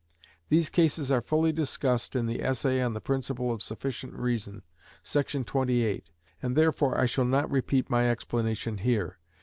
These cases are fully discussed in the essay on the principle of sufficient reason, § 28, and therefore I shall not repeat my explanation here.